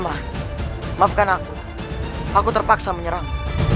maaf maafkan aku aku terpaksa menyerang